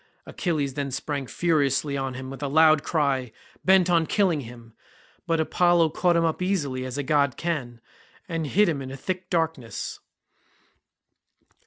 Achilles then sprang furiously on him with a loud cry, bent on killing him, but Apollo caught him up easily as a god can, and hid him in a thick darkness.